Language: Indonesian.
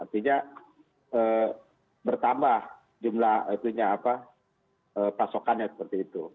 artinya bertambah jumlah pasokannya seperti itu